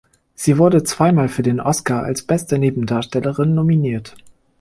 Sie wurde zweimal für den Oscar als Beste Nebendarstellerin nominiert.